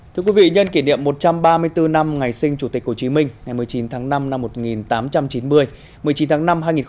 thưa quý vị nhân kỷ niệm một trăm ba mươi bốn năm ngày sinh chủ tịch hồ chí minh ngày một mươi chín tháng năm năm một nghìn tám trăm chín mươi một mươi chín tháng năm hai nghìn hai mươi bốn